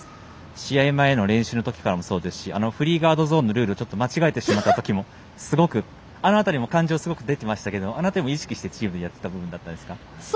試合前の練習のときからもそうですしフリーガードゾーンのルール間違えてしまったときもあの辺りも感情がすごく出てたんですけど意識してチームでやっていた部分でしたか？